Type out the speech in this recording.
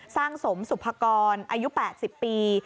สร้างสมสุพกรอายุ๘๐ปี